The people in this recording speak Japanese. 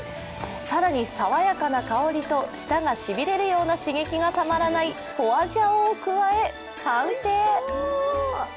更に爽やかな刺激と舌がしびれるような刺激がたまらない花椒を加え完成！